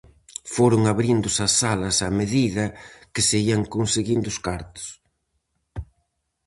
Foron abríndose as salas a medida que se ían conseguindo os cartos.